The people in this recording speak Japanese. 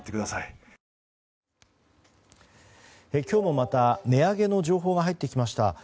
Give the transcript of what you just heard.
今日もまた値上げの情報が入ってきました。